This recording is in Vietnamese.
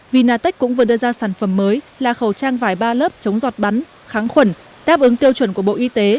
vinatech cũng vừa đưa ra sản phẩm mới là khẩu trang vải ba lớp chống giọt bắn kháng khuẩn đáp ứng tiêu chuẩn của bộ y tế